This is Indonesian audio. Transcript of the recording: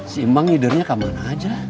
si mang hidernya ke mana aja